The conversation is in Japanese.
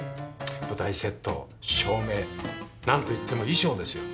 舞台セット照明何といっても衣装ですよ。